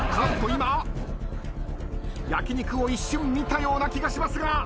今焼き肉を一瞬見たような気がしますが。